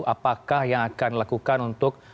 apakah yang akan dilakukan untuk